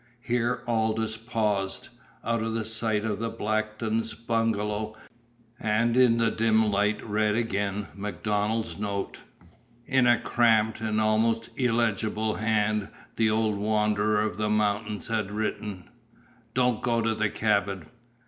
Here Aldous paused, out of sight of the Blackton bungalow, and in the dim light read again MacDonald's note. In a cramped and almost illegible hand the old wanderer of the mountains had written: Don't go to cabin.